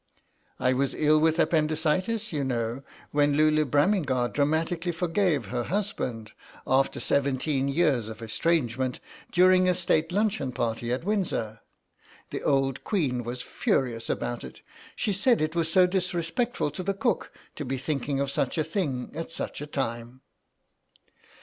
I was ill with appendicitis, you know, when Lulu Braminguard dramatically forgave her husband, after seventeen years of estrangement, during a State luncheon party at Windsor. The old queen was furious about it. She said it was so disrespectful to the cook to be thinking of such a thing at such a time."